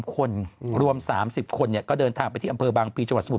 คนรวม๓๐คนก็เดินทางไปที่อำเภอบางปีจังหวัดสมุท